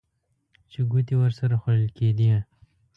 چې ګوتې ورسره خوړل کېدې.